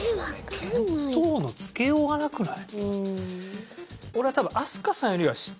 見当のつけようがなくない？